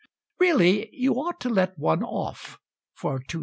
Really you ought to let one off for 2s.